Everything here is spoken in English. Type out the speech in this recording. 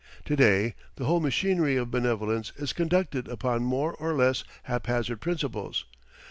To day the whole machinery of benevolence is conducted upon more or less haphazard principles.